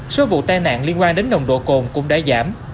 số vụ tai nạn liên quan đến nồng độ cồn cũng đã giảm